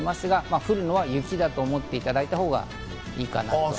降るのは雪だと思っていただいた方がいいかなと思います。